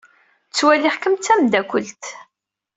Ttwaliɣ-kem d tameddakelt.